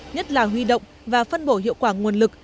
nhất là huy động và phân bổ hiệu quả nguồn lực